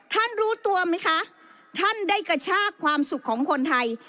รู้ตัวไหมคะท่านได้กระชากความสุขของคนไทย